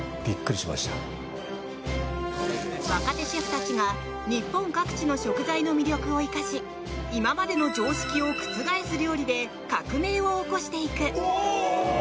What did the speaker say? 若手シェフたちが日本各地の食材の魅力を生かし今までの常識を覆す料理で革命を起こしていく！